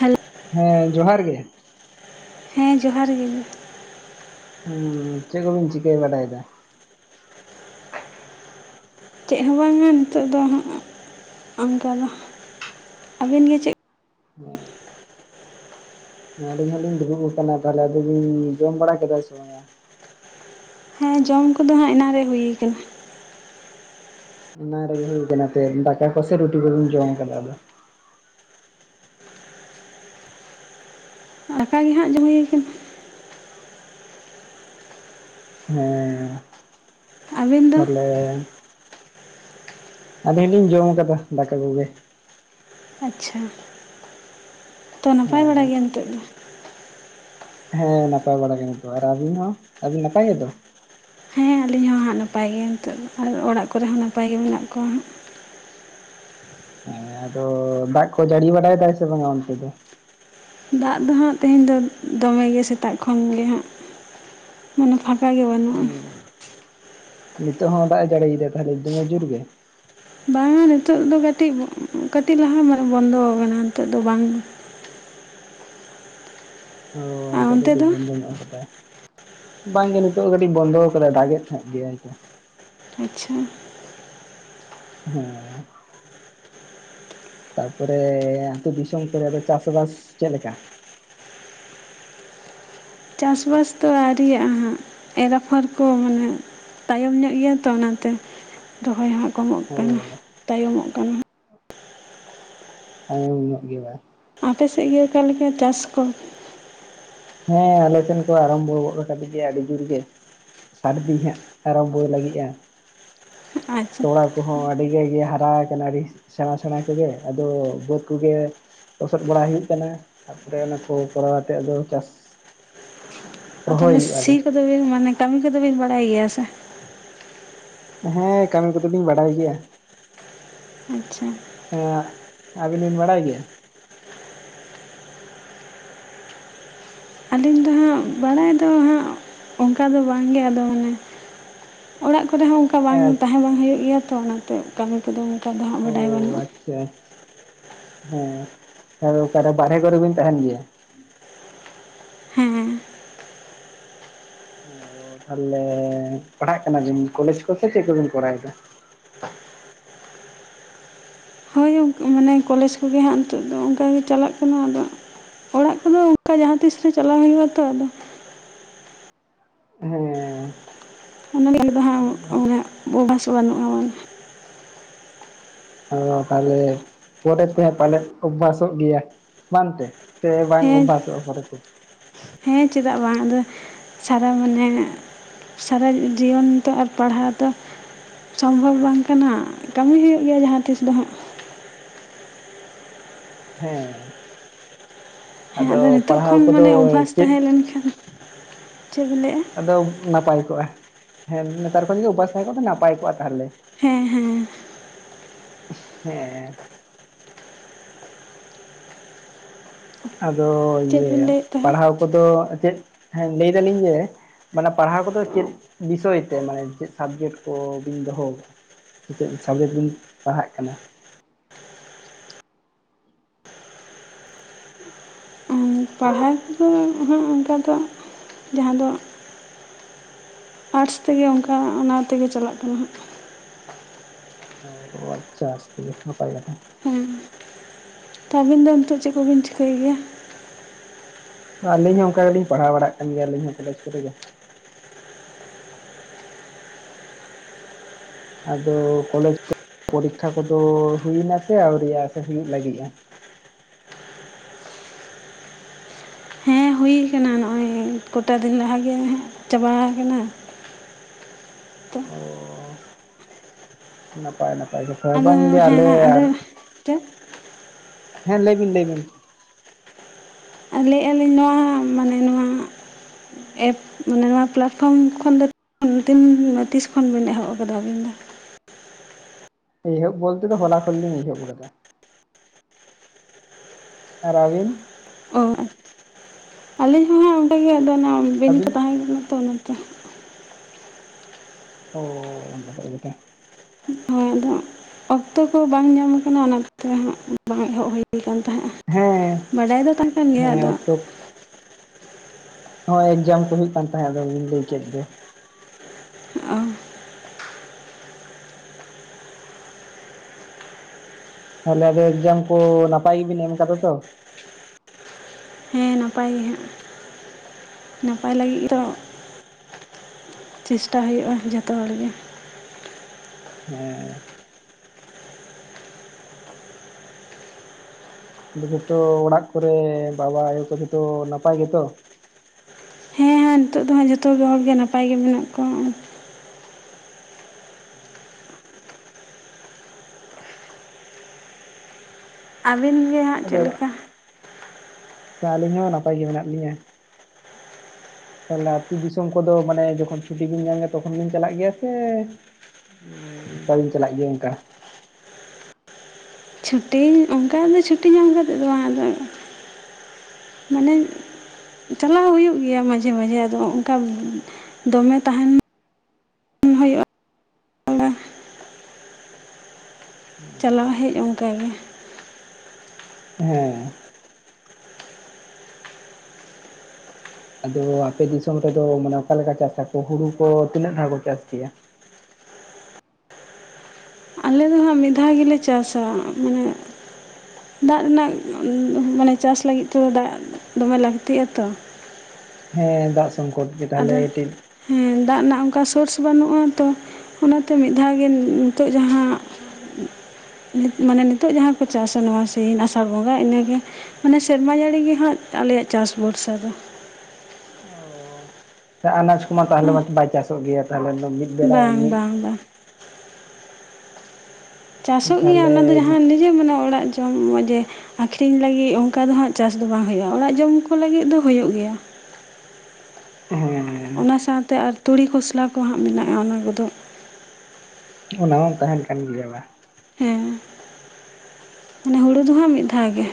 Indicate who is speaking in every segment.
Speaker 1: ᱦᱮᱞᱚᱜ
Speaker 2: ᱦᱮᱸ ᱡᱚᱦᱟᱨ ᱜᱮ᱾
Speaker 1: ᱦᱮᱸ ᱡᱚᱦᱟᱨ ᱜᱮ᱾
Speaker 2: ᱦᱩᱸ ᱪᱮᱫ ᱠᱚᱵᱤᱱ ᱪᱤᱠᱟᱹ ᱵᱟᱰᱟᱭ ᱫᱟ?
Speaker 1: ᱪᱮᱫ ᱦᱚᱸ ᱵᱟᱝᱟ ᱱᱤᱛᱚᱜ ᱫᱚ ᱦᱟᱸᱜ ᱚᱱᱠᱟ ᱫᱚ, ᱟᱹᱵᱤᱱ ᱜᱮ ᱪᱮᱫ
Speaker 2: [inaudible] ᱟᱹᱞᱤᱧ ᱦᱚᱸᱞᱤᱧ ᱫᱩᱲᱩᱵ ᱟᱠᱟᱱᱟ ᱛᱟᱦᱚᱞᱮ ᱟ ᱫᱚᱵᱤᱱ ᱡᱚᱢ ᱵᱟᱲᱟ ᱠᱮᱫᱟ ᱥᱮ ᱵᱟᱝᱟ?
Speaker 1: ᱦᱮᱸ ᱡᱚᱢ ᱠᱚᱫᱚ ᱦᱟᱸᱜ ᱮᱱᱟᱝ ᱨᱮ ᱦᱩᱭ ᱟᱠᱟᱱᱟ᱾
Speaker 2: ᱮᱱᱟᱝ ᱨᱮᱜᱮ ᱦᱩᱭ ᱠᱟᱱᱟ, ᱛᱮ ᱫᱟᱠᱟ ᱠᱚᱥᱮ ᱨᱩᱴᱤ ᱠᱚᱵᱢ ᱡᱚᱢ ᱠᱟᱫᱟ ᱟᱫᱚ?
Speaker 1: ᱫᱟᱠᱟ ᱜᱮ ᱦᱟᱸᱟᱜ ᱡᱟᱸᱦᱟ ᱦᱩᱭ ᱠᱟᱱ᱾
Speaker 2: ᱦᱮᱸ
Speaker 1: ᱟᱹᱵᱤᱱ ᱫᱚ
Speaker 2: ᱛᱟᱦᱚᱞᱮ ᱟᱹᱞᱤᱧ ᱦᱚᱞᱤᱧ ᱡᱚᱢ ᱟᱠᱟᱫᱟ ᱫᱟᱠᱟ ᱠᱚᱜᱮ
Speaker 1: ᱟᱪ ᱪᱷᱟ ᱛᱚ ᱱᱟᱯᱟᱭ ᱵᱟᱲᱟᱭ
Speaker 2: ᱦᱮᱸ
Speaker 1: ᱜᱮᱭᱟ ᱱᱤᱛᱚᱜ ᱫᱚ
Speaker 2: ᱦᱮᱸ ᱱᱟᱯᱟᱭ ᱵᱟᱲᱟ ᱜᱮ ᱤᱱᱛᱩᱜ ᱟᱨ ᱟᱹᱵᱤᱱ ᱦᱚᱸ ᱟᱵᱤᱱ ᱱᱟᱯᱟᱭ ᱜᱮᱛᱚ
Speaker 1: ᱦᱮᱸ ᱟᱹᱞᱤᱧ ᱦᱚᱸ ᱦᱟᱸᱜ ᱱᱟᱯᱟᱭ ᱜᱮ ᱱᱤᱛᱚᱜ ᱟᱨ ᱚᱲᱟᱜ ᱠᱚᱨᱮ ᱦᱚᱸ ᱱᱟᱯᱟᱭ ᱜᱮ ᱢᱮᱱᱟᱜ ᱠᱚᱣᱟ ᱦᱟᱸᱜ
Speaker 2: ᱦᱮᱸ ᱟᱫᱚ ᱫᱟᱜ ᱠᱚ ᱡᱟᱹᱲᱤ ᱵᱟᱰᱟᱭ ᱫᱟ ᱥᱮ ᱵᱟᱝᱟ ᱚᱱᱛᱮ ᱫᱚ
Speaker 1: ᱫᱟᱜ ᱫᱚ ᱦᱟᱸᱜ ᱛᱮᱦᱮᱧ ᱫᱚ ᱫᱚᱢᱮ ᱜᱮ ᱥᱮᱛᱟᱜ ᱠᱷᱚᱱᱜᱮ ᱦᱟᱸᱜ ᱢᱟᱱᱮ ᱯᱷᱟᱸᱠᱟ ᱜᱮ ᱵᱟᱹᱱᱩᱜᱼᱟ᱾
Speaker 2: ᱦᱩᱸ ᱱᱤᱛᱚᱜ ᱦᱚᱸᱜ ᱫᱟᱜ ᱮ ᱡᱟᱲᱤᱭᱮᱫᱟ ᱛᱟᱦᱚᱞᱮ ᱫᱚᱢᱮ ᱡᱩᱨ ᱜᱮ?
Speaker 1: ᱵᱟᱝᱟ ᱱᱤᱛᱚᱜ ᱫᱚ ᱠᱟᱹᱴᱤᱡ, ᱠᱟᱹᱴᱤᱡ ᱞᱟᱦᱟ ᱢᱟᱱᱮ ᱵᱚᱱᱫᱚ ᱟᱠᱟᱱᱟ ᱱᱤᱛᱚᱜ ᱫᱚ ᱵᱟᱝ᱾ ᱟᱨ
Speaker 2: ᱱᱤᱛᱳ ᱫᱚ
Speaker 1: ᱚᱱᱛᱮ
Speaker 2: [inaudible] ᱵᱟᱹᱱᱩᱜ ᱟᱠᱟᱫᱟ᱾ ᱵᱟᱝ ᱜᱮ ᱱᱤᱛᱚᱜ ᱠᱟᱹᱴᱤᱡ ᱵᱚᱱᱫᱚ ᱠᱟᱫᱟᱭ, ᱫᱟᱜ ᱮᱜ ᱛᱟᱦᱮᱸᱫ ᱜᱮᱭᱟ ᱛᱚ᱾
Speaker 1: ᱟᱪᱪᱷᱟ᱾
Speaker 2: ᱦᱮᱸ ᱛᱟᱯᱚᱨᱮ ᱟᱹᱛᱩ ᱫᱤᱥᱚᱢ ᱠᱚᱨᱮ ᱫᱚ ᱪᱟᱥᱵᱟᱥ ᱫᱚ ᱪᱮᱫ ᱞᱮᱠᱟ
Speaker 1: ᱪᱟᱥᱵᱟᱥ ᱫᱚ ᱟᱹᱣᱨᱤᱭ ᱦᱜ ᱮᱨᱟᱯᱷᱚᱨ ᱠᱚ ᱢᱟᱱᱮ ᱛᱟᱭᱚᱢ ᱧᱚᱜ ᱜᱮᱭᱟ ᱛᱚ ᱚᱱᱟᱛᱮ ᱨᱚᱦᱚᱭ ᱦᱟᱸᱜ ᱠᱚᱢᱚᱜ ᱠᱟᱱᱟ
Speaker 2: ᱚ
Speaker 1: ᱛᱟᱭᱚᱢᱚᱜ ᱠᱟᱱᱟ
Speaker 2: ᱦᱩᱸ ᱮᱭᱟ
Speaker 1: ᱟᱯᱮ ᱥᱮᱫ ᱜᱮ ᱟᱠᱟ ᱞᱮᱠᱟ ᱪᱟᱥ ᱠᱚ
Speaker 2: ᱦᱮᱸ ᱟᱞᱮ ᱥᱮᱱ ᱠᱚ ᱟᱨᱟᱢᱵᱷᱚ ᱠᱟᱫ ᱜᱮᱭᱟ ᱟᱹᱰᱤ ᱡᱩᱨ ᱜᱮ ᱥᱟᱨᱫᱤ ᱦᱟᱸᱜ ᱟᱨᱚᱢᱵᱷᱚᱭ ᱞᱟᱹᱜᱤᱫᱼᱟ
Speaker 1: ᱟᱪᱪᱷᱟ
Speaker 2: ᱛᱚᱲᱟ ᱠᱚᱦᱚᱸ ᱟᱹᱰᱤ ᱜᱮ ᱜᱮ ᱦᱟᱨᱟ ᱟᱠᱟᱱᱟ ᱟᱹᱰᱤ ᱥᱮᱬᱟ ᱥᱮᱬᱟ ᱠᱚᱜᱮ ᱟᱫᱚ ᱵᱟᱹᱫ ᱠᱚᱜᱮ ᱞᱚᱥᱚᱫ ᱵᱟᱲᱟ ᱦᱩᱭᱩᱜ ᱠᱟᱱᱟ ᱛᱟ ᱯᱚᱨᱮ ᱚᱱᱟ ᱠᱚ ᱠᱚᱨᱟᱣᱛᱮ ᱟᱫᱚ ᱪᱟᱥ
Speaker 1: ᱟᱨ
Speaker 2: ᱨᱚᱦᱚᱭ
Speaker 1: ᱛᱟᱦᱚᱞᱮ
Speaker 2: ᱦᱩᱭᱩᱜᱼᱟ
Speaker 1: ᱥᱤ
Speaker 2: ᱟᱫᱚ
Speaker 1: ᱠᱚᱫᱚ ᱵᱤᱱ ᱢᱟᱱᱮ ᱠᱟᱹᱢᱤ ᱠᱚᱫᱚ ᱵᱤᱱ ᱵᱟᱰᱟᱭ ᱜᱮᱭᱟ ᱥᱮ
Speaker 2: ᱦᱮᱸ ᱠᱟᱹᱢᱤ ᱠᱚᱫᱚᱞᱤᱧ ᱵᱟᱰᱟᱭ ᱜᱮᱭᱟ
Speaker 1: ᱟᱪ ᱪᱷᱟ
Speaker 2: ᱦᱮᱸ ᱟᱵᱤᱱ ᱵᱤᱱ ᱵᱟᱰᱟᱭ ᱜᱮᱭᱟ
Speaker 1: ᱟᱹᱞᱤᱧ ᱫᱚ ᱦᱟᱸᱜ ᱵᱟᱰᱟᱭ ᱫᱚ ᱦᱟᱸᱜ ᱚᱱᱠᱟ ᱫᱚ ᱵᱟᱝᱜᱮ ᱟᱫᱚ ᱢᱟᱱᱮ ᱚᱲᱟᱜ ᱠᱚᱨᱮ ᱦᱚᱸ ᱚᱱᱠᱟ ᱵᱟᱝ
Speaker 2: ᱮᱸ
Speaker 1: ᱛᱟᱦᱮᱸ ᱵᱟᱝ ᱦᱩᱭᱩᱜ ᱜᱮᱭᱟ ᱛᱚ ᱚᱱᱟᱛᱮ ᱠᱟᱹᱢᱤ ᱠᱚᱫᱚ ᱚᱱᱠᱟ ᱫᱚ ᱦᱟᱸᱜ ᱵᱟᱰᱟᱭ ᱵᱟᱹᱱᱩᱜᱼᱟ
Speaker 2: ᱟ ᱦᱮᱸ ᱛᱚ ᱚᱠᱟᱨᱮ ᱵᱟᱨᱦᱮ ᱠᱚᱨᱮ ᱵᱤᱱ ᱛᱟᱦᱮᱱ ᱜᱮᱭᱟ
Speaker 1: ᱦᱮᱸ
Speaker 2: ᱚ ᱛᱟᱦᱚᱞᱮ ᱯᱟᱲᱦᱟᱣᱜ ᱠᱟᱱᱟ ᱵᱤᱱ ᱠᱚᱞᱮᱡ ᱠᱚ ᱥᱮ ᱪᱮᱫ ᱠᱚᱵᱤᱱ ᱠᱚᱨᱟᱣᱮᱫᱟ
Speaker 1: ᱦᱚᱭ ᱜᱚᱝᱠᱮ ᱢᱟᱱᱮ ᱠᱚᱞᱮᱡ ᱠᱚᱜᱮ ᱦᱟᱸᱜ ᱱᱤᱛᱚᱜ ᱫᱚ ᱚᱱᱠᱟᱜᱮ ᱪᱟᱞᱟᱜ ᱠᱟᱱᱟ ᱟᱫᱚ ᱚᱲᱟᱜ ᱠᱚᱫᱚ ᱚᱱᱠᱟ ᱡᱟᱦᱟᱸ ᱛᱤᱥ ᱨᱮ ᱪᱟᱞᱟᱣ ᱦᱩᱭᱩᱜᱼᱟ ᱛᱚ ᱟᱫᱚ
Speaker 2: ᱦᱮᱸ
Speaker 1: ᱚᱱᱟ ᱜᱮ ᱟᱞᱮ ᱫᱚ ᱦᱟᱸᱜ
Speaker 2: ᱟᱫᱚ
Speaker 1: ᱩᱱᱟᱜ ᱵᱚᱦᱚᱜ ᱦᱟᱹᱥᱩ ᱵᱟᱹᱱᱩᱜᱼᱟ ᱢᱟᱱᱮ
Speaker 2: ᱚᱻ ᱛᱟᱞᱮ ᱯᱚᱨᱮ ᱛᱮᱸ ᱯᱟᱞᱮ ᱚᱵᱷᱵᱥᱚᱜ ᱜᱮᱭᱟ ᱢᱟᱱᱛᱮ ᱥᱮ ᱵᱟᱝ
Speaker 1: ᱦᱮᱸ
Speaker 2: ᱵᱷᱥ ᱯᱚᱨᱮ ᱛᱮ
Speaker 1: ᱦᱮᱸ ᱪᱮᱫᱟᱜ ᱵᱟᱝ ᱟᱫᱚ ᱥᱟᱨᱟ ᱢᱟᱱᱮ ᱥᱟᱨᱟ ᱡᱤᱭᱚᱱ ᱫᱚ ᱟᱨ ᱯᱟᱲᱦᱟᱣ ᱫᱚ ᱥᱚᱢᱵᱷᱚᱵ ᱵᱟᱝ ᱠᱟᱱᱟ ᱠᱟᱹᱢᱤ ᱦᱩᱭᱩᱜ ᱜᱮᱭᱟ ᱡᱟᱦᱟᱸ ᱛᱤᱥ ᱫᱚ ᱦᱟᱸᱜ
Speaker 2: ᱦᱮᱸ
Speaker 1: ᱦᱮᱸ ᱟᱫᱚ ᱱᱤᱛᱚᱜ
Speaker 2: ᱯᱟᱲᱦᱟᱣ
Speaker 1: ᱠᱷᱚᱱ
Speaker 2: ᱠᱚᱫᱚ
Speaker 1: ᱢᱟᱱᱮ ᱚᱵᱷᱟᱥ
Speaker 2: ᱪᱮᱫ
Speaker 1: ᱛᱟᱦᱮᱸ ᱞᱮᱱ ᱠᱷᱟᱱ ᱪᱮᱫᱵᱤᱱ ᱞᱟᱹᱭᱮᱫᱼᱟ
Speaker 2: ᱟᱫᱚ ᱱᱟᱯᱟᱭ ᱠᱚᱜᱼᱟ ᱦᱮᱸ ᱱᱮᱛᱟᱨ ᱠᱷᱚᱱ ᱡᱩᱫᱤ ᱩᱯᱟᱹᱥ ᱛᱟᱦᱮᱸ ᱠᱚᱜᱼᱟ ᱱᱟᱯᱟᱭ ᱠᱚᱜᱼᱟ ᱛᱟᱦᱮᱞᱮ
Speaker 1: ᱦᱮᱸ ᱦᱮᱸ
Speaker 2: ᱦᱮᱸ ᱟᱫᱚ
Speaker 1: ᱪᱮᱫ
Speaker 2: ᱤᱭᱟᱹ
Speaker 1: ᱵᱤᱱ ᱞᱟᱹᱭᱮᱫ ᱛᱟᱦᱮᱸᱫ
Speaker 2: ᱯᱟᱲᱦᱟᱣ ᱠᱚᱫᱚ ᱪᱮᱫ ᱞᱟᱹᱭ ᱫᱟᱞᱤᱧ ᱡᱮ ᱢᱟᱱᱮ ᱯᱟᱲᱦᱟᱣ ᱠᱚᱫᱚ ᱪᱮᱫ ᱵᱤᱥᱚᱭ ᱛᱮ ᱢᱟᱱᱮ ᱪᱮᱫ ᱥᱟᱵᱡᱮᱠᱴ ᱠᱚᱵᱤᱱ ᱫᱚᱦᱚ ᱟᱠᱟᱫᱟ ᱪᱮᱫ ᱥᱟᱵᱽᱡᱮᱠᱴ ᱵᱚᱱ ᱯᱟᱲᱦᱟᱜ ᱠᱟᱱᱟ
Speaker 1: ᱯᱟᱲᱦᱟᱣ ᱠᱚᱫᱚ ᱦᱟᱸᱜ ᱚᱱᱠᱟ ᱫᱚ ᱡᱟᱦᱟᱸ ᱫᱚ ᱟᱨᱴᱥ ᱛᱮᱜᱮ ᱚᱱᱠᱟ ᱚᱱᱟ ᱛᱮᱜᱮ ᱪᱟᱞᱟᱜ ᱠᱟᱱᱟ ᱦᱟᱸᱜ
Speaker 2: ᱚ ᱟᱪᱪᱷᱟ ᱟᱥᱛᱮ ᱱᱟᱯᱟᱭ ᱠᱟᱛᱷᱟ
Speaker 1: ᱩᱸ ᱛᱚ ᱟᱹᱵᱤᱱ ᱫᱚ ᱱᱤᱛᱚᱜ ᱪᱮᱫ ᱠᱚᱵᱤᱱ ᱪᱷᱤᱠᱟᱹᱭ ᱮᱜᱼᱟ
Speaker 2: ᱟᱹᱞᱤᱧ ᱦᱚᱸ ᱚᱱᱠᱟ ᱜᱮᱞᱤᱧ ᱯᱟᱲᱦᱟᱣ ᱵᱟᱲᱟᱜ ᱠᱟᱱ ᱜᱮᱭᱟᱞᱤᱧ ᱦᱚᱸ ᱠᱚᱞᱡ ᱠᱚᱨᱮᱜ ᱜᱮ ᱟᱫᱚ ᱠᱚᱞᱮᱡ ᱠᱚ ᱯᱚᱨᱤᱠᱷᱟ ᱠᱚᱫᱚ ᱦᱩᱭᱱᱟ ᱥᱮ ᱟᱹᱣᱨᱤ ᱥᱮ ᱦᱩᱭᱩᱜ ᱞᱟᱹᱜᱤᱫᱼᱟ
Speaker 1: ᱦᱮᱸ ᱦᱩᱭ ᱟᱠᱟᱱᱟ ᱱᱚᱜᱼᱚᱭ ᱠᱚᱴᱟ ᱫᱤᱱ ᱞᱟᱦᱟ ᱜᱮ ᱪᱟᱵᱟ ᱟᱠᱟᱱᱟ
Speaker 2: ᱚ ᱱᱟᱯᱟᱭ ᱱᱟᱯᱟᱭ ᱠᱟᱛᱷᱟ ᱵᱟᱝ ᱫᱚ ᱟᱞᱮ ᱟᱨ
Speaker 1: ᱛᱮ
Speaker 2: ᱦᱮᱸ ᱞᱟᱹᱭᱵᱤᱱ ᱞᱟᱹᱭ ᱵᱤᱱ
Speaker 1: ᱞᱟᱹᱭᱮᱫᱼᱟᱞᱤᱧ ᱱᱚᱣᱟ ᱢᱟᱱᱮ ᱱᱚᱣᱟ ᱮᱯ ᱢᱟᱱᱮ ᱱᱚᱣᱟ ᱯᱞᱟᱴᱯᱷᱨᱚᱢ ᱠᱷᱚᱱ ᱫᱚ ᱛᱤᱱ ᱛᱤᱥ ᱠᱷᱚᱱ ᱵᱤᱱ ᱮᱦᱚᱵ ᱟᱠᱟᱫᱟ ᱟᱹᱵᱤᱱ ᱫᱚ
Speaker 2: ᱤᱦᱳᱵ ᱵᱚᱞᱛᱮ ᱫᱚ ᱦᱞᱟ ᱠᱷᱚᱱ ᱞᱤᱧ ᱮᱷᱵ ᱠᱟᱫᱟ ᱟᱨ ᱟᱵᱤᱱ
Speaker 1: ᱚ ᱟᱪᱷᱟ ᱟᱹᱞᱤᱧ ᱦᱚᱸ ᱦᱟᱸᱜ ᱚᱱᱠᱟᱜᱮ ᱟᱫᱚ ᱚᱱᱟ ᱵᱤᱱ ᱠᱚ
Speaker 2: ᱟᱹᱵᱤᱱ
Speaker 1: ᱛᱟᱦᱮᱸ ᱠᱟᱱᱟ ᱛᱚ ᱚᱱᱟᱛᱮ
Speaker 2: ᱚ [unintelligible]
Speaker 1: ᱦᱳᱭ ᱟᱫᱚ ᱚᱠᱛᱚ ᱠᱚ ᱵᱟᱝ ᱧᱟᱢ ᱟᱠᱟᱱᱟ ᱚᱱᱟ ᱛᱮ ᱦᱟᱸᱜ ᱵᱟᱝ ᱮᱦᱚᱵ ᱦᱩᱭᱩ ᱟᱠᱟᱱ ᱛᱟᱦᱮᱸᱫᱼᱟ
Speaker 2: ᱦᱮᱸ
Speaker 1: ᱵᱟᱰᱟᱭ ᱫᱚ ᱛᱟᱦᱮᱸ ᱠᱟᱱ ᱜᱮᱭᱟ
Speaker 2: ᱦᱮᱸ
Speaker 1: ᱟᱫᱚ
Speaker 2: ᱚᱠᱛᱚ ᱦᱚᱸ ᱮᱠᱡᱟᱢ ᱠᱚ ᱦᱩᱭᱩᱜ ᱠᱟᱱ ᱛᱟᱦᱮᱸᱫ ᱵᱤᱱ ᱞᱟᱹᱭ ᱠᱮᱫ ᱫᱚ
Speaker 1: ᱚ
Speaker 2: ᱛᱟᱦᱚᱞᱮ ᱟᱫᱚ ᱮᱠᱡᱟᱢ ᱠᱚ ᱱᱟᱯᱟᱭ ᱜᱮᱵᱤᱱ ᱮᱢ ᱠᱟᱫᱟ ᱛᱚ
Speaker 1: ᱦᱮ ᱱᱟᱯᱟᱭ ᱜᱮ ᱦᱟᱸᱜ ᱱᱟᱯᱟᱭ ᱞᱟᱹᱜᱤᱫ ᱨᱚ ᱪᱮᱥᱴᱟ ᱦᱩᱭᱩᱜᱼᱟ ᱡᱚᱛᱚ ᱦᱚᱲᱜᱮ
Speaker 2: ᱦᱮᱸ ᱟᱫᱚ ᱡᱚᱛᱚ ᱚᱲᱟᱜ ᱠᱚᱨᱮ ᱵᱟᱵᱟ ᱟᱭᱳ ᱠᱚ ᱡᱚᱛᱚ ᱱᱟᱯᱟᱭ ᱜᱮᱛᱚ
Speaker 1: ᱦᱮᱸ ᱦᱮᱸ ᱱᱤᱛᱚᱜ ᱫᱚ ᱦᱟᱸᱜ ᱡᱚᱛᱚᱮ ᱦᱚᱲᱜᱮ ᱱᱟᱯᱟᱭ ᱜᱮ ᱢᱮᱱᱟᱜ ᱠᱚᱣᱟ ᱟᱹᱵᱤᱱ ᱜᱮ ᱦᱟᱸᱜ
Speaker 2: ᱟᱫᱚ
Speaker 1: ᱪᱮᱫ ᱞᱮᱠᱟ
Speaker 2: ᱟᱹᱞᱤᱧ ᱦᱚᱸ ᱱᱟᱯᱟᱭ ᱜᱮ ᱢᱮᱱᱟᱜ ᱞᱤᱧᱟᱹ ᱛᱟᱦᱞᱮ ᱟᱹᱛᱩ ᱫᱤᱥᱚᱢ ᱠᱚᱫᱚ ᱢᱟᱱᱮ ᱡᱚᱠᱷᱚᱱ ᱪᱷᱩᱴᱤ ᱵᱤᱱ ᱧᱟᱢ ᱜᱮᱭᱟ ᱛᱚᱠᱷᱚᱱ ᱵᱤᱱ ᱪᱟᱞᱟᱜ ᱜᱮᱭᱟ ᱥᱮ [inaudible] ᱪᱟᱞᱟᱜ ᱜᱮᱭᱟ ᱚᱱᱠᱟ᱾
Speaker 1: ᱪᱷᱩᱴᱤ ᱚᱱᱠᱟ ᱫᱚ ᱪᱷᱩᱴᱤ ᱧᱟᱢᱛᱮᱫ ᱫᱚ ᱵᱟᱝ ᱟᱫᱚ ᱢᱟᱱᱮ ᱪᱟᱞᱟᱣ ᱦᱩᱭᱩᱜ ᱜᱮᱭᱟ᱾ ᱢᱟᱡᱷᱮ ᱢᱟᱡᱷᱮ ᱟᱫᱚ ᱚᱱᱠᱟ ᱫᱚᱢᱮ ᱛᱟᱦᱮᱱ ᱦᱩᱭᱩᱜᱼᱟ᱾ ᱪᱟᱞᱟᱣ ᱦᱮᱡ ᱚᱱᱠᱟ ᱜᱮ᱾
Speaker 2: ᱦᱮᱸ ᱟᱫᱚ ᱟᱯᱮ ᱫᱤᱥᱚᱢ ᱨᱮᱫᱚ ᱢᱟᱱᱮ ᱚᱠᱟᱞᱮᱠᱟ ᱪᱟᱥᱟᱚ ᱦᱩᱲᱩ ᱠᱚ ᱛᱤᱱᱟᱹᱜ ᱫᱷᱟ ᱠᱚ ᱪᱟᱥ ᱜᱮᱭᱟ?
Speaker 1: ᱟᱞᱮ ᱫᱚ ᱢᱤᱫ ᱫᱷᱟᱣ ᱜᱮᱞᱮ ᱪᱟᱥᱟ ᱢᱟᱱᱮ ᱫᱟᱜ ᱨᱮᱱᱟᱜ ᱢᱟᱱᱮ ᱪᱟᱥ ᱞᱟᱹᱜᱤᱫ ᱛᱮᱫᱚ ᱫᱟᱜ ᱫᱚᱢᱮ ᱞᱟᱹᱠᱛᱤᱜᱼᱟ ᱛᱚ᱾
Speaker 2: ᱦᱮᱸ ᱫᱟᱜ ᱥᱚᱝᱠᱚᱴ ᱠᱮᱫᱟ ᱞᱮ
Speaker 1: ᱟᱫᱚ
Speaker 2: ᱠᱟᱹᱴᱤᱡ
Speaker 1: ᱦᱮᱸ ᱫᱟᱜ ᱨᱮᱱᱟᱜ ᱚᱱᱠᱟ ᱥᱳᱨᱥ ᱵᱟᱹᱱᱩᱜᱼᱟ ᱛᱚ, ᱚᱱᱟᱛᱮ ᱢᱤᱫ ᱫᱷᱟᱣ ᱜᱮ ᱱᱤᱛᱚᱜ ᱡᱟᱦᱟᱸ ᱢᱟᱱᱮ ᱱᱤᱛᱚᱜ ᱡᱟᱦᱟᱸ ᱯᱮ ᱪᱟᱥᱟ ᱱᱚᱣᱟ ᱥᱤ ᱟᱥᱟᱲ ᱵᱚᱸᱜᱟ ᱤᱱᱟᱹᱜᱮ ᱢᱟᱱᱮ ᱥᱮᱨᱢᱟ ᱡᱟᱹᱲᱤ ᱜᱮᱦᱟᱸᱜ ᱟᱞᱮᱭᱟᱜ ᱪᱟᱥ ᱵᱷᱚᱨᱥᱟ ᱫᱚ
Speaker 2: [unintelligible] ᱟᱱᱟᱡᱽ ᱠᱚᱢᱟ ᱛᱟᱦᱚᱞᱮ
Speaker 1: ᱦᱮᱸ
Speaker 2: ᱢᱟ ᱵᱟᱭ ᱪᱟᱥᱚᱜ ᱜᱮᱭᱟ ᱛᱟᱦᱚᱞᱮ [unintelligible]
Speaker 1: ᱵᱟᱝ
Speaker 2: ᱢᱤᱫ
Speaker 1: ᱵᱟᱝ ᱵᱟᱝ ᱪᱟᱥᱚᱜ ᱜᱮᱭᱟ ᱚᱱᱟ ᱫᱚ
Speaker 2: ᱛᱟᱦᱚᱞᱮ
Speaker 1: ᱡᱟᱦᱟᱸ ᱱᱤᱡᱮ ᱢᱟᱱᱮ ᱚᱲᱟᱜ ᱡᱚᱢ ᱢᱚ ᱡᱮ ᱟᱹᱠᱷᱨᱤᱧ ᱞᱟᱹᱜᱤᱫ ᱚᱱᱠᱟ ᱫᱚ ᱦᱟᱸᱜ ᱪᱟᱥ ᱫᱚ ᱵᱟᱝ ᱦᱩᱭᱩᱜᱼᱟ ᱚᱲᱟᱜ ᱡᱚᱢ ᱠᱚ ᱞᱟᱹᱜᱤᱫ ᱫᱚ ᱦᱩᱭᱩᱜ ᱜᱮᱭᱟ᱾
Speaker 2: ᱦᱮᱸ
Speaker 1: ᱚᱱᱟ ᱥᱟᱶᱛᱮ ᱟᱨ ᱛᱩᱲᱤ ᱠᱷᱚᱥᱞᱟ ᱠᱚ ᱦᱟᱸᱟᱜ ᱢᱮᱱᱟᱜᱼᱟ᱾ ᱚᱱᱟ ᱠᱚᱫᱚ
Speaker 2: ᱚᱱᱟ ᱦᱚᱸ ᱛᱟᱦᱮᱱ ᱠᱟᱱ ᱜᱮᱭᱟ ᱵᱟᱝ
Speaker 1: ᱦᱮᱸ ᱢᱟᱱᱮ ᱦᱩᱲᱩ ᱫᱚ ᱦᱟᱸᱜ ᱢᱤᱫ ᱫᱷᱟᱣ ᱜᱮ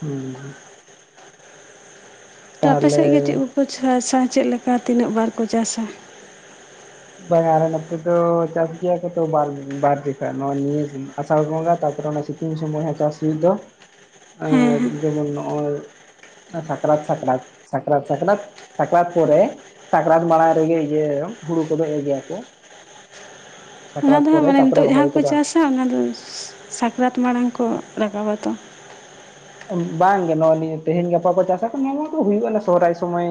Speaker 2: ᱦᱩᱸ
Speaker 1: ᱛᱚ
Speaker 2: ᱛᱟᱦᱚᱞᱮ
Speaker 1: ᱟᱯᱮᱥᱮᱫ ᱜᱮ ᱪᱮᱫ ᱠᱚᱠᱚ ᱪᱟᱥᱟ ᱪᱮᱫ ᱞᱮᱠᱟ ᱛᱤᱱᱟᱹᱜ ᱵᱟᱨ ᱠᱚ ᱪᱟᱥᱟ?
Speaker 2: ᱵᱟᱝᱟᱨ ᱱᱟᱛᱮ ᱛᱚ ᱪᱟᱥ ᱜᱮ ᱛᱚ ᱵᱟᱨ ᱡᱚᱠᱷ ᱱᱚᱣᱟ ᱱᱤᱭ ᱱᱮᱥ ᱟᱥᱟᱲ ᱵᱚᱸᱜᱟ ᱛᱟᱯᱚᱨᱮ ᱚᱱᱟ ᱥᱤᱛᱩᱝ ᱥᱩᱚᱢᱚᱭ ᱦᱚᱸ ᱪᱟᱥ ᱦᱩᱭᱩᱜ ᱫᱚ
Speaker 1: ᱦᱮᱸ ᱦᱮᱸ
Speaker 2: ᱡᱮᱢᱚᱱ ᱱᱚᱜᱼᱚᱭ ᱥᱟᱠᱨᱟᱛ ᱥᱟᱠᱨᱟᱛ ᱥᱟᱠᱨᱟᱛ ᱥᱟᱠᱨᱟᱛ ᱥᱟᱠᱨᱟᱛ ᱯᱚᱨᱮ ᱥᱟᱠᱨᱟᱛ ᱢᱟᱲᱟᱝ ᱨᱮᱜᱮ ᱤᱭᱟᱹ ᱦᱩᱲᱩ ᱠᱚᱫᱚᱜ ᱮ ᱜᱮᱭᱟ ᱠᱚ᱾
Speaker 1: ᱚᱱᱟ
Speaker 2: ᱥᱟᱠᱨᱟᱛ
Speaker 1: ᱫᱚ ᱦᱟᱸᱜ
Speaker 2: ᱯᱚᱨᱮ
Speaker 1: ᱢᱟᱱᱮ
Speaker 2: ᱛᱟᱯᱚᱨᱮ
Speaker 1: ᱱᱤᱛᱚᱜ ᱡᱟᱦᱟᱸ
Speaker 2: ᱨᱚᱦᱚᱭ
Speaker 1: ᱠᱚ
Speaker 2: ᱠᱚᱫᱚ
Speaker 1: ᱪᱟᱥᱟ ᱚᱱᱟ ᱫᱚ ᱥᱟᱠᱨᱟᱛ ᱢᱟᱲᱟᱝ ᱠᱚ ᱨᱟᱠᱟᱵᱟᱛᱚ
Speaker 2: ᱵᱟᱝᱜᱮ ᱱᱚᱜᱼᱚᱭ ᱱᱤᱭᱟᱹ ᱛᱮᱦᱮᱧ ᱜᱟᱯᱟ ᱪᱟᱥᱟ [unintelligible] ᱱᱚᱣᱟ ᱢᱟ ᱫᱚ ᱦᱩᱭᱩᱜ ᱥᱚᱦᱟᱨᱟᱭ ᱥᱚᱢᱚᱭ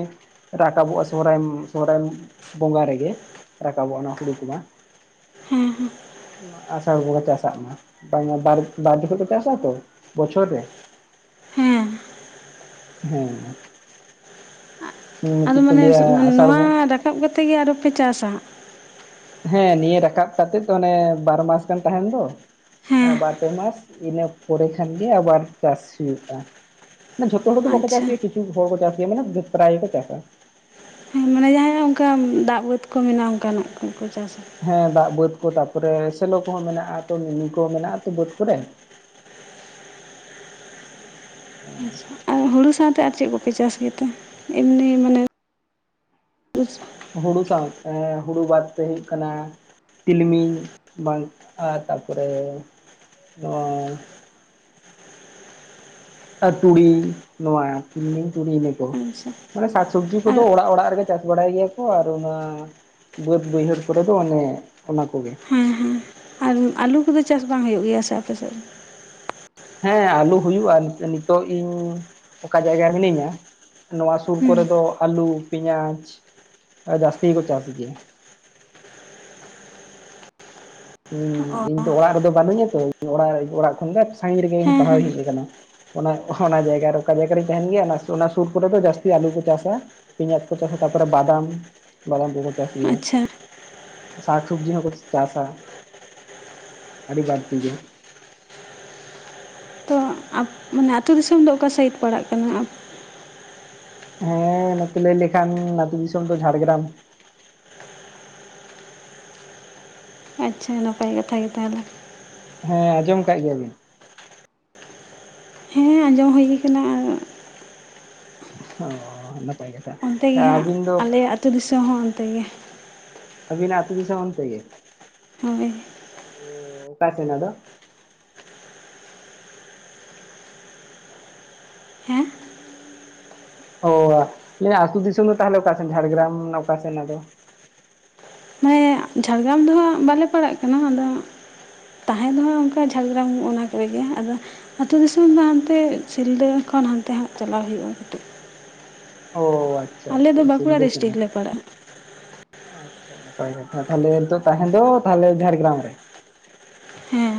Speaker 2: ᱨᱟᱠᱟᱵᱚᱜᱼᱟ᱾ ᱥᱚᱦᱨᱟᱭ ᱥᱚᱦᱨᱟᱭ ᱵᱚᱸᱜᱟ ᱨᱮᱜᱮ ᱨᱟᱠᱟᱵᱚᱜᱼᱟ ᱱᱚᱣᱟ ᱦᱩᱲᱩ ᱠᱚᱢᱟ᱾
Speaker 1: ᱦᱩᱸ
Speaker 2: ᱟᱥᱟᱲ ᱵᱚᱸᱜᱟ ᱪᱟᱥᱟᱜ ᱢᱟ᱾ ᱵᱟᱝ ᱵᱟᱨ ᱵᱟᱨ ᱡᱚᱠᱷᱮᱡ ᱠᱚ ᱪᱟᱥᱟ ᱛᱚ ᱵᱚᱪᱚᱨ ᱨᱮ
Speaker 1: ᱦᱮᱸ
Speaker 2: ᱦᱮᱸ
Speaker 1: ᱟᱫᱚ
Speaker 2: ᱢᱤᱫᱴᱤᱡ ᱠᱚ
Speaker 1: ᱢᱟᱱᱮ
Speaker 2: ᱞᱟᱹᱭᱟ ᱟᱥᱟᱲ
Speaker 1: ᱱᱚᱣᱟ
Speaker 2: ᱵᱚᱸ
Speaker 1: ᱨᱟᱠᱟᱵ ᱠᱟᱛᱮ ᱜᱮ ᱟᱨ ᱦᱚᱸ ᱯᱮ ᱪᱟᱥᱟ?
Speaker 2: ᱦᱮᱸ ᱱᱤᱭᱟᱹ ᱨᱟᱠᱟᱵ ᱠᱟᱛᱮᱜ ᱛᱚ ᱚᱱᱮ ᱵᱟᱨ ᱢᱟᱥ ᱜᱟᱱ ᱛᱟᱦᱮᱱ ᱫᱚ᱾
Speaker 1: ᱦᱮᱸ
Speaker 2: ᱵᱟᱨ-ᱯᱮ ᱢᱟᱥ ᱤᱱᱟᱹ ᱯᱚᱨᱮ ᱠᱷᱟᱱ ᱜᱮ ᱟᱵᱟᱨ ᱪᱟᱥ ᱦᱩᱭᱩᱜᱼᱟ᱾ ᱢᱟᱱᱮ ᱡᱚᱛᱚ ᱦᱚᱲ ᱫᱚ ᱵᱟᱠᱚ
Speaker 1: ᱟᱪᱪᱷᱟ
Speaker 2: ᱪᱟᱥ ᱜᱮᱭᱟ ᱠᱤᱪᱷᱩ ᱦᱚᱲ ᱠᱚ ᱪᱟᱥ ᱜᱮᱭᱟ ᱢᱟᱱᱮ ᱯᱨᱟᱭ ᱜᱮᱠᱚ ᱪᱟᱥᱟ
Speaker 1: ᱦᱮᱸ ᱢᱟᱱᱮ ᱡᱟᱦᱟᱸᱭᱚᱜ ᱚᱱᱠᱟ ᱫᱟᱜ ᱵᱟᱹᱫᱽ ᱠᱚ ᱢᱮᱱᱟᱜᱼᱟ᱾ ᱚᱱᱠᱟᱱᱟᱜ ᱠᱚ ᱠᱚ ᱪᱟᱥᱟ
Speaker 2: ᱦᱮᱸ ᱫᱟᱜ ᱵᱟᱹᱫᱽ ᱠᱚ ᱛᱟᱯᱚᱨᱮ ᱥᱮᱞᱚ ᱠᱚᱦᱚᱸ ᱢᱮᱱᱟᱜᱼᱟ᱾ ᱛᱚ ᱢᱤᱱᱤ ᱠᱚ ᱢᱮᱱᱟᱜᱼᱟ ᱛᱚ ᱵᱟᱹᱫᱽ ᱠᱚᱨᱮ
Speaker 1: ᱟᱪᱪᱷᱟ
Speaker 2: [unintelligible]
Speaker 1: ᱟᱨ ᱦᱩᱲᱩ ᱥᱟᱶᱛᱮ ᱟᱨ ᱪᱮᱫ ᱠᱚᱯᱮ ᱪᱟᱥ ᱜᱮᱛᱮ ᱮᱢᱱᱤ ᱢᱟᱱᱮ [unintelligible]
Speaker 2: ᱦᱩᱲᱩ ᱥᱟᱶᱛᱮ ᱦᱩᱲᱩ ᱵᱟᱫᱛᱮ ᱦᱩᱭᱩᱜ ᱠᱟᱱᱟ ᱛᱤᱞᱢᱤᱧ ᱵᱟᱝᱼᱟ ᱛᱟᱯᱚᱨᱮ ᱟᱸᱻ ᱟᱹᱛᱩᱲᱤ ᱱᱚᱣᱟ ᱛᱤᱞᱢᱤᱧ ᱛᱩᱲᱤᱱᱟᱠᱚ
Speaker 1: ᱟᱪᱪᱷᱟ
Speaker 2: ᱢᱟᱱᱮ ᱥᱟᱠᱥᱚᱵᱽᱡᱤ
Speaker 1: ᱟᱨ
Speaker 2: ᱠᱚᱫᱚ ᱚᱲᱟᱜ ᱚᱲᱟᱜ ᱨᱮᱜᱮ ᱪᱟᱥ ᱵᱟᱲᱟᱭ ᱜᱮᱭᱟ ᱠᱚ ᱟᱨ ᱚᱱᱟ ᱵᱟᱹᱫᱽ ᱵᱟᱹᱭᱦᱟᱹᱲ ᱠᱚᱨᱮ ᱫᱚ ᱚᱱᱮ ᱚᱱᱟ ᱠᱚᱜᱮ
Speaker 1: ᱦᱮᱸ ᱦᱮᱸ ᱟᱨ ᱟᱹᱞᱩ ᱠᱚᱫᱚ ᱪᱟᱥ ᱵᱟᱝ ᱦᱩᱭᱩᱜ ᱜᱮᱭᱟ ᱥᱮ ᱟᱯᱮ ᱥᱮᱫ ᱫᱚ
Speaker 2: ᱦᱮᱸ ᱟᱹᱞᱩ ᱦᱩᱭᱩᱜᱼᱟ ᱱᱤᱛᱚᱜ ᱤᱧ ᱚᱠᱟ ᱡᱟᱭᱜᱟ ᱨᱮ ᱢᱤᱱᱟᱹᱧᱟ ᱱᱚᱣᱟ ᱥᱩᱨ
Speaker 1: ᱦᱮᱸ
Speaker 2: ᱠᱚᱨᱮ ᱫᱚ ᱟᱹᱞᱩ ᱯᱮᱸᱭᱟᱡᱽ ᱡᱟᱹᱥᱛᱤ ᱜᱮᱠᱚ ᱪᱟᱥ ᱜᱮᱭᱟ ᱦᱩᱸ
Speaker 1: ᱚ
Speaker 2: ᱤᱧ ᱫᱚ ᱚᱲᱟᱜ ᱨᱮᱫᱚ ᱵᱟᱹᱱᱩᱜ ᱤᱧᱟ ᱛᱚ ᱚᱲᱟᱜ ᱚᱲᱟᱜ ᱠᱷᱚᱱ ᱫᱚ ᱥᱟᱺᱜᱤᱧ ᱨᱮᱜᱮᱹᱧ
Speaker 1: ᱦᱮᱸ
Speaker 2: ᱯᱟᱲᱦᱟᱣ
Speaker 1: ᱦᱮᱸ
Speaker 2: ᱤᱧ ᱦᱮᱡ ᱟᱠᱟᱱᱟ ᱚᱱᱟ ᱚᱱᱟ ᱡᱟᱭᱜᱟ ᱨᱮ ᱚᱠᱟ ᱡᱟᱭᱜᱟ ᱨᱤᱧ ᱛᱟᱦᱮᱱ ᱜᱮᱭᱟ ᱚᱱᱟ ᱚᱱᱟ ᱥᱩᱨ ᱠᱚᱨᱮ ᱫᱚ ᱡᱟᱹᱥᱛᱤ ᱟᱹᱞᱩ ᱠᱚ ᱪᱟᱥᱟ ᱯᱮᱸᱭᱟᱡᱽ ᱠᱚ ᱪᱟᱥᱟ ᱛᱟᱯᱚᱨᱮ ᱵᱟᱫᱟᱢ ᱵᱟᱫᱟᱢ ᱠᱚᱠᱚ ᱪᱟᱥ ᱜᱮᱭᱟ
Speaker 1: ᱟᱪᱪᱷᱟ
Speaker 2: ᱥᱟᱠ ᱥᱚᱵᱽᱡᱤ ᱦᱚᱸ ᱠᱚ ᱪᱟᱥᱟ ᱟᱹᱰᱤ ᱵᱟᱹᱲᱛᱤ ᱜᱮ
Speaker 1: ᱛᱚ ᱢᱟᱱᱮ ᱟᱹᱛᱩ ᱫᱤᱥᱚᱢ ᱫᱚ ᱚᱠᱟ ᱥᱮᱫ ᱯᱟᱲᱟᱜ ᱠᱟᱱᱟ?
Speaker 2: ᱦᱮᱸ ᱱᱚᱛᱮ ᱞᱟᱹᱭ ᱞᱮᱠᱷᱟᱱ ᱟᱹᱛᱩ ᱫᱤᱥᱚᱢ ᱫᱚ ᱡᱷᱟᱲᱜᱨᱟᱢ
Speaker 1: ᱟᱪ ᱪᱷᱟ ᱱᱟᱯᱟᱭ ᱠᱟᱛᱷᱟ ᱜᱮ ᱛᱟᱦᱮᱞᱮ
Speaker 2: ᱦᱮᱸ ᱟᱸᱡᱚᱢ ᱠᱟᱜ ᱜᱮᱭᱟ ᱵᱤᱱ
Speaker 1: ᱦᱮᱸ ᱟᱸᱡᱚᱢ ᱦᱩᱭ ᱟᱠᱟᱱᱟ ᱟᱨ
Speaker 2: ᱚ ᱱᱟᱯᱟᱭ ᱜᱮ
Speaker 1: ᱚᱱᱛᱮ ᱜᱮ ᱦᱟᱸᱜ ᱟᱞᱮᱭᱟᱜ ᱟᱹᱛᱩ ᱫᱤᱥᱚᱢ ᱦᱚᱸ ᱚᱱᱛᱮ ᱜᱮ
Speaker 2: ᱟᱹᱵᱤᱱᱟᱜ ᱟᱛᱩ ᱫᱤᱥᱚᱢ ᱦᱚᱸ ᱚᱱᱛᱮ ᱜᱮ
Speaker 1: ᱦᱚᱭ
Speaker 2: ᱚᱻ ᱚᱠᱟ ᱥᱮᱱ ᱟᱫᱚ
Speaker 1: ᱦᱮᱸ
Speaker 2: ᱚᱻ ᱞᱟᱹᱭᱼᱟ ᱟᱹᱛᱩ ᱫᱤᱥᱚᱢ ᱫᱚ ᱛᱟᱦᱚᱞᱮ ᱚᱠᱟ ᱥᱮᱱ ᱡᱷᱟᱲᱜᱨᱟᱢ ᱚᱠᱟ ᱥᱮᱱ ᱟᱫᱚ
Speaker 1: ᱢᱟᱱᱮ ᱡᱷᱟᱲᱜᱨᱟᱢ ᱫᱚ ᱦᱟᱸᱜ ᱵᱟᱞᱮ ᱯᱟᱲᱟᱜ ᱠᱟᱱᱟ ᱟᱫᱚ ᱛᱟᱦᱮᱸ ᱫᱚ ᱦᱟᱸᱜ ᱚᱱᱠᱟ ᱡᱷᱟᱲᱜᱨᱟᱢ ᱚᱱᱟ ᱠᱚᱨᱮ ᱜᱮ ᱟᱫᱚ ᱟᱹᱛᱩ ᱫᱤᱥᱚᱢ ᱫᱚ ᱦᱟᱱᱛᱮ ᱥᱤᱞᱫᱟᱹ ᱠᱷᱚᱱ ᱦᱟᱱᱛᱮ ᱦᱟᱸᱜ ᱪᱟᱞᱟᱣ ᱦᱩᱭᱩᱜᱼᱟ ᱠᱟᱹᱴᱤᱡ
Speaker 2: ᱚᱻ ᱟᱪᱪᱷᱟ
Speaker 1: ᱟᱞᱮ
Speaker 2: ᱟᱪᱪᱷᱟ
Speaker 1: ᱫᱚ ᱵᱟᱸᱠᱩᱲᱟ
Speaker 2: ᱥᱤᱞᱫᱟᱹ [unintelligible]
Speaker 1: ᱰᱤᱥᱴᱤᱠ ᱞᱮ ᱯᱟᱲᱟᱜᱼᱟ
Speaker 2: ᱟᱪᱪᱷᱟ ᱱᱟᱯᱟᱭ ᱠᱟᱛᱷᱟ ᱛᱟᱦᱚᱞᱮ ᱱᱤᱛᱚᱜ ᱛᱟᱦᱮᱸ ᱫᱚ ᱛᱟᱦᱞᱮ ᱡᱷᱟᱲᱜᱨᱟᱢ ᱨᱮ᱾
Speaker 1: ᱦᱮᱸ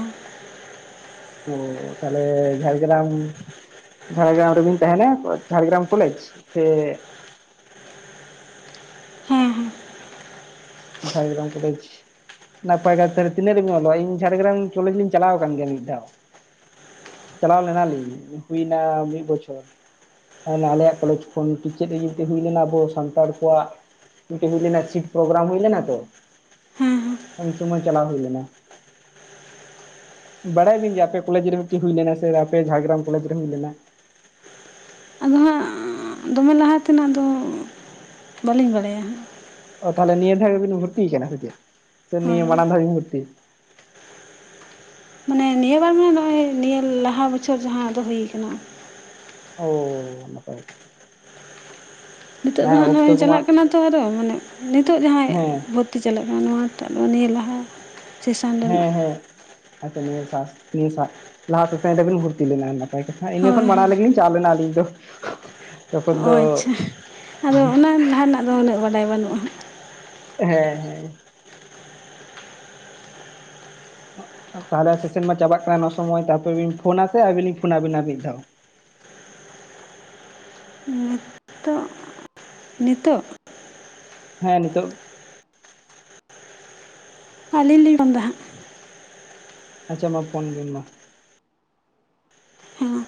Speaker 2: ᱚᱻ ᱛᱟᱦᱞᱮ ᱡᱷᱟᱲᱜᱨᱟᱢ ᱡᱷᱟᱲᱜᱨᱟᱢ ᱨᱮᱵᱤᱱ ᱛᱟᱦᱮᱱᱟ ᱡᱷᱟᱲᱜᱨᱟᱢ ᱠᱚᱞᱮᱡ ᱥᱮ
Speaker 1: ᱦᱮᱸ ᱦᱮᱸ
Speaker 2: ᱡᱷᱟᱲᱜᱨᱟᱢ ᱠᱚᱞᱮᱡ ᱱᱟᱯᱟᱭ [inaudible] ᱛᱤᱱᱟᱹᱜ ᱨᱮᱵᱤᱱ ᱚᱞᱚᱜ-ᱟ ᱤᱧ ᱡᱷᱟᱲᱜᱨᱟᱢ ᱠᱚᱞᱮᱡ ᱞᱤᱧ ᱪᱟᱞᱟᱣ ᱟᱠᱟᱱ ᱜᱮᱭᱟ ᱢᱤᱫ ᱫᱷᱟᱣ ᱪᱟᱞᱟᱣ ᱞᱮᱱᱟ ᱞᱤᱧ ᱦᱩᱭᱱᱟ ᱢᱤᱫ ᱵᱚᱪᱷᱚᱨ ᱟᱭᱢᱟ ᱟᱞᱮᱭᱟᱜ ᱠᱚᱞᱮᱡ ᱠᱷᱚᱱ ᱪᱮᱫ ᱤᱭᱟᱹ ᱛᱮ ᱦᱩᱭ ᱞᱮᱱᱟ ᱟᱵᱚ ᱥᱟᱱᱛᱟᱲ ᱠᱚᱣᱟᱜ ᱢᱤᱫᱴᱟ ᱦᱩᱭ ᱞᱮᱱᱟ ᱪᱮᱫ ᱯᱨᱚᱜᱨᱟᱢ ᱦᱩᱭ ᱞᱮᱱᱟ ᱛᱚ
Speaker 1: ᱦᱮᱸ ᱦᱮᱸ
Speaker 2: ᱩᱱ ᱥᱚᱢᱚᱭ ᱪᱟᱞᱟᱣ ᱦᱩᱭ ᱞᱮᱱᱟ ᱵᱟᱰᱟᱭᱟᱵᱤᱱ ᱡᱮ ᱟᱯᱮ ᱠᱚᱞᱮᱡ ᱨᱮ ᱢᱤᱫᱴᱤᱱ ᱦᱩᱭ ᱞᱮᱱᱟ ᱥᱮ ᱟᱯᱮ ᱡᱷᱟᱲᱜᱨᱟᱢ ᱠᱚᱞᱮᱡ ᱨᱮ ᱦᱩᱭ ᱞᱮᱱᱟ
Speaker 1: ᱟᱫᱚ ᱦᱟᱸᱜ ᱫᱚᱢᱮ ᱞᱟᱦᱟ ᱛᱮᱱᱟᱜ ᱫᱚ ᱵᱟᱹᱞᱤᱧ ᱵᱟᱰᱟᱭᱟ ᱦᱟᱸᱜ
Speaker 2: ᱚ ᱛᱟᱦᱚᱞᱮ ᱱᱤᱭᱟᱹ ᱫᱷᱟᱣ ᱜᱮᱵᱤᱱ ᱵᱷᱚᱨᱛᱤᱭ ᱟᱠᱟᱱᱟ ᱥᱮ ᱪᱮᱫ ᱥᱮ
Speaker 1: ᱦᱳᱭ
Speaker 2: ᱱᱤᱭᱟᱹ ᱢᱟᱲᱟᱝ ᱫᱷᱟᱣ ᱵᱤᱱ ᱵᱷᱩᱨᱛᱤ
Speaker 1: ᱢᱟᱱᱮ ᱱᱤᱭᱟᱹ ᱵᱟᱨ ᱢᱟ ᱱᱚᱜᱼᱚᱭ ᱱᱤᱭᱟᱹ ᱞᱟᱦᱟ ᱵᱚᱪᱷᱚᱨ ᱡᱟᱦᱟᱸ ᱟᱫᱚ ᱦᱩᱭ ᱟᱠᱟᱱᱟ
Speaker 2: ᱚ ᱱᱟᱯᱟᱭ ᱜᱮ
Speaker 1: ᱱᱤᱛᱚᱜ ᱫᱚ
Speaker 2: ᱦᱮᱸ
Speaker 1: ᱦᱟᱸᱜ ᱱᱚᱜᱼᱚᱭ
Speaker 2: ᱚᱠᱛᱚ ᱠᱚᱢᱟ
Speaker 1: ᱪᱟᱞᱟᱜ ᱠᱟᱱᱟ ᱛᱚ ᱟᱨᱚ ᱢᱟᱱᱮ ᱱᱤᱛᱚᱜ ᱡᱟᱦᱟᱸᱭ
Speaker 2: ᱦᱮᱸ
Speaker 1: ᱵᱷᱚᱛ ᱛᱤ ᱪᱟᱞᱟᱜ ᱠᱟᱱᱟ ᱱᱚᱣᱟ ᱴᱟᱜ ᱫᱚ ᱱᱤᱭᱟᱹ ᱞᱟᱦᱟ ᱥᱮᱥᱟᱱ ᱨᱮᱱᱟᱜ
Speaker 2: ᱦᱮᱸ ᱦᱮᱸ ᱟᱪ ᱪᱷᱟ ᱱᱤᱭᱟᱹ ᱥᱟᱥ ᱱᱤᱭᱟᱹ ᱥᱟᱜ ᱞᱟᱦᱟ ᱥᱩᱥᱟᱱ ᱨᱮᱵᱤᱱ ᱵᱷᱩᱨᱛᱤ ᱞᱮᱱᱟ ᱱᱟᱯᱟᱭ ᱠᱟᱛᱷᱟ ᱤᱱᱟᱹ ᱠᱷᱚᱱ
Speaker 1: ᱦᱳᱭ
Speaker 2: ᱢᱟᱲᱟᱝ
Speaker 1: ᱦᱳᱭ
Speaker 2: ᱨᱮᱜᱮ ᱞᱤᱧ ᱪᱟᱣ ᱞᱮᱱᱟ ᱟᱹᱞᱤᱧ ᱫᱚ ᱛᱚᱠᱷᱚᱱ
Speaker 1: ᱚ ᱟᱪ ᱪᱷᱟ ᱟᱫᱚ ᱚᱱᱟ ᱞᱟᱦᱟ ᱨᱮᱱᱟᱜ ᱫᱚ ᱩᱱᱟᱹᱜ ᱵᱟᱰᱟᱭ ᱵᱟᱹᱱᱩᱜᱼᱟ ᱦᱟᱸᱜ
Speaker 2: ᱦᱮᱸ ᱦᱮᱸ ᱛᱟᱦᱚᱞᱮ ᱥᱮᱥᱮᱱ ᱢᱟ ᱪᱟᱵᱟᱜ ᱠᱟᱱᱟ ᱚᱱᱟ ᱥᱚᱢᱚᱭ ᱛᱟᱯᱚ ᱵᱤᱱ ᱯᱷᱚᱱᱟ ᱥᱮ ᱟᱹᱵᱤᱱ ᱞᱤᱧ ᱯᱷᱚᱱᱟ ᱵᱤᱱᱟ ᱢᱤᱫ ᱫᱷᱟᱣ
Speaker 1: ᱦᱚᱸ ᱱᱤᱛᱚᱜ
Speaker 2: ᱦᱮᱸ ᱱᱤᱛᱚᱜ
Speaker 1: ᱟᱞᱤᱧ ᱞᱤᱧ ᱨᱚᱱ ᱫᱟ ᱦᱟᱸᱜ᱾
Speaker 2: ᱟᱪ ᱪᱷᱟ ᱢᱟ ᱯᱷᱚᱱ ᱵᱤᱱ ᱢᱟ᱾
Speaker 1: ᱦᱮᱸ